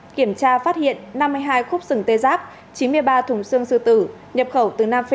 kiểm tra phát hiện năm mươi hai khúc sừng tê giác chín mươi ba thùng xưng sư tử nhập khẩu từ nam phi